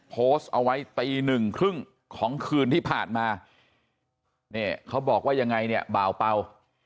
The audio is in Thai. โพสต์เอาไว้ตีหนึ่งครึ่งของคืนที่ผ่านมานี่เขาบอกว่ายังไงเนี่ยเบา